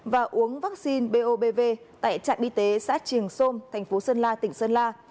và uống vaccine b o b v tại trạng y tế xã trường sôm thành phố sơn la tỉnh sơn la